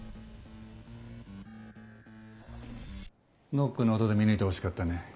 ノックの音で見抜いてほしかったね。